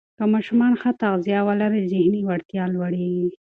که ماشومان ښه تغذیه ولري، ذهني وړتیا لوړېږي.